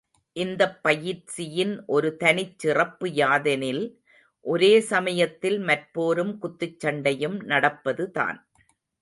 இந்தப் பயிற்சியின் ஒரு தனிச்சிறப்பு யாதெனில், ஒரே சமயத்தில் மற்போரும் குத்துச் சண்டையும் நடப்பதுதான்.